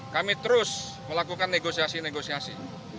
kami terus melakukan negosiasi negosiasi